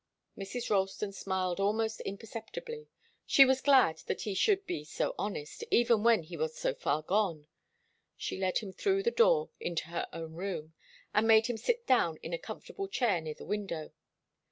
Mrs. Ralston smiled almost imperceptibly. She was glad that he should be so honest, even when he was so far gone. She led him through the door into her own room, and made him sit down in a comfortable chair near the window.